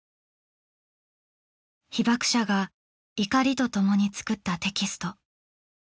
被爆者が怒りと共に作ったテキスト。